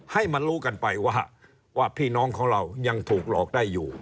ให้มันรู้กันไปว่าพี่น้องของเรายังถูกหลอกได้อยู่